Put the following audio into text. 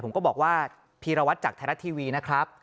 ผมก็บอกว่าพีรวัตรจากไทยรัฐทีวีนะครับ